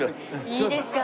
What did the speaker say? いいですか？